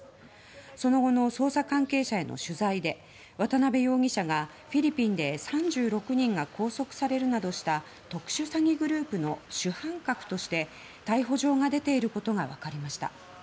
その後の捜査関係者への取材で渡邉容疑者がフィリピンで３６人が拘束されるなどした特殊詐欺グループの主犯格として逮捕状が出ていることがわかりました。